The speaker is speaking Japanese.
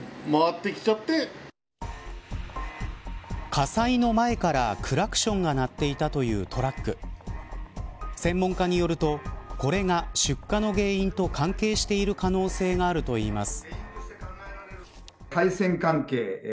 火災の前からクラクションが鳴っていたというトラック専門家によるとこれが出火の原因と関係している可能性があるといいます。